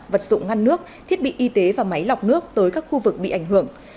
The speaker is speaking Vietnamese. vật dụng ngăn nước thiết bị y tế và máy lọc nước tới các khu vực bị ảnh hưởng